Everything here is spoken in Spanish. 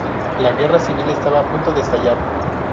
La guerra civil estaba a punto de estallar.